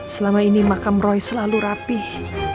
selama ini makam roy selalu rapih